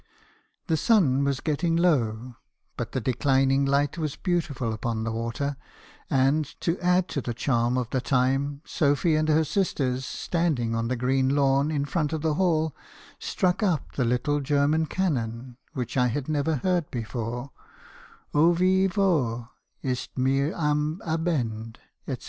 The sun was getting low, but the declining light was beautiful upon the water; and, to add to the charm of the time, Sophy and her sisters , standing on the green lawn, in front of the hall , struck up the little German canon , which I had never heard before, — 1 Oh wie wohl ist mir am Abend,* <fcc.